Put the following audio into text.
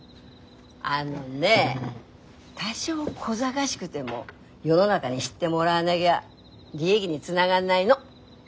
あのね多少こざがしくても世の中に知ってもらわなぎゃ利益につながんないの。